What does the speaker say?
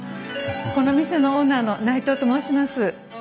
この店のオーナーの内藤と申します。